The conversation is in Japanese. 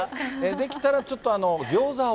できたらちょっとギョーザを。